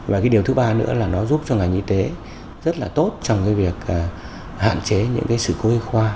và cái điều thứ ba nữa là nó giúp cho ngành y tế rất là tốt trong cái việc hạn chế những cái sự cố y khoa